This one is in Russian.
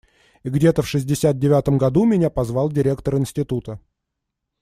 И где-то в шестьдесят девятом году меня позвал директор института.